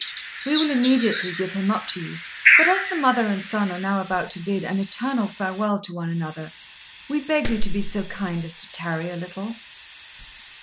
"We will immediately give him up to you; but, as the mother and son are now about to bid an eternal farewell to one another, we beg you to be so kind as to tarry a little."